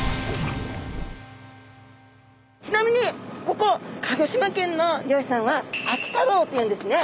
ちなみにここ鹿児島県の漁師さんは秋太郎と言うんですね。